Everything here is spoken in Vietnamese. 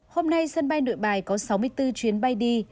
hôm nay sân bay nội bài có sáu mươi bốn chuyến bay đi